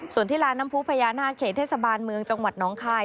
ส่วนที่ลานน้ำผู้พญานาคเขตเทศบาลเมืองจังหวัดน้องคาย